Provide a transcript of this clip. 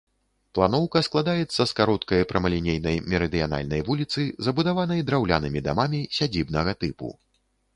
Планоўка складаецца з кароткай прамалінейнай мерыдыянальнай вуліцы, забудаванай драўлянымі дамамі сядзібнага тыпу.